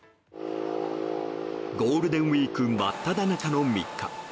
ゴールデンウィーク真っただ中の３日。